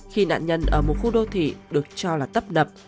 khi nạn nhân ở một khu đô thị được cho là tấp nập